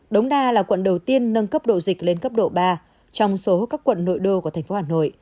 đống đa là quận đầu tiên nâng cấp độ dịch lên cấp độ ba trong số các quận nội đô của thành phố hà nội